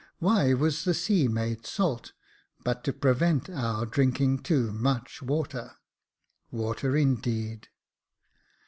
Why was the sea made salt, but to prevent our drinking too much water. Water, indeed